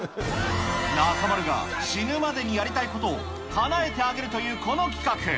中丸が死ぬまでにやりたいことをかなえてあげるというこの企画。